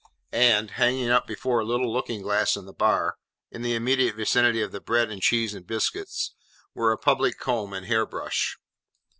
And, hanging up before a little looking glass in the bar, in the immediate vicinity of the bread and cheese and biscuits, were a public comb and hair brush.